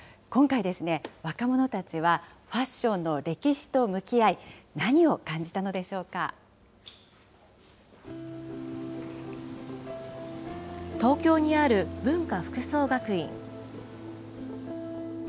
今回ですね、若者たちはファッションの歴史と向き合い、何を感じ東京にある文化服装学院。